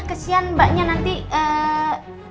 kesian mbaknya nanti eee